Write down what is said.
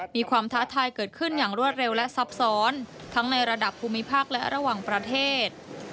ท้าทายเกิดขึ้นอย่างรวดเร็วและซับซ้อนทั้งในระดับภูมิภาคและระหว่างประเทศ